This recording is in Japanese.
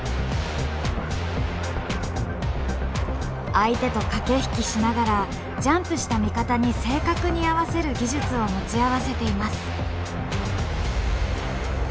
相手と駆け引きしながらジャンプした味方に正確に合わせる技術を持ち合わせています。